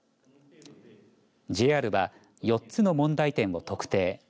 ＪＲは４つの問題点を特定。